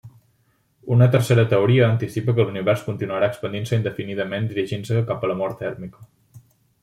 Una tercera teoria anticipa que l'univers continuarà expandint-se indefinidament dirigint-se cap a la mort tèrmica.